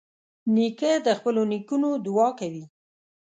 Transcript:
نیکه د خپلو نیکونو دعا کوي.